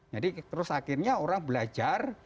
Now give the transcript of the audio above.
jadi terus akhirnya orang belajar